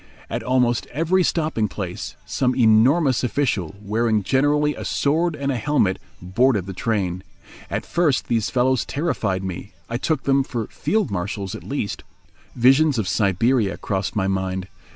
At almost every stopping place some enormous official, wearing generally a sword and a helmet, boarded the train. At first these fellows terrified me. I took them for field marshals at least. Visions of Siberia crossed my mind.